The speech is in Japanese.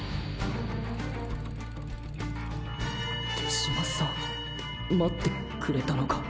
手嶋さん待ってくれたのか？